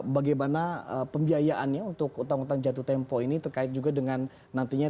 bagaimana pembiayaannya untuk utang utang jatuh tempo ini terkait juga dengan nantinya